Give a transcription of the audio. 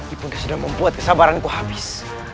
ibu dia sudah membuat kesabaranku habis